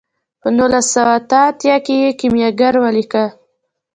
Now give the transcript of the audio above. په نولس سوه اته اتیا کې یې کیمیاګر ولیکه.